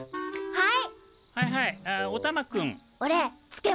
はい！